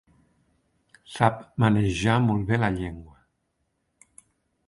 Sap manejar molt bé la llengua.